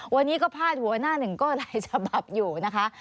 วันนี้ก็พาดหัวหน้าหนึ่งก็หลายฉบับอยู่นะคะ